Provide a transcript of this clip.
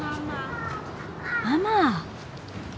ママ！？